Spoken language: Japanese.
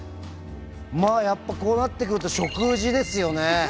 やっぱこうなってくると食事ですよね。